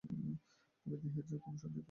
তবে দেহের যে কোনো সন্ধিই এতে আক্রান্ত হতে পারে।